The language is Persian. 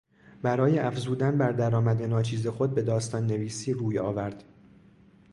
برای افزودن بر درآمد ناچیز خود به داستان نویسی روی آورد.